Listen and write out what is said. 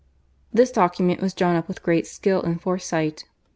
This document was drawn up with great skill and foresight.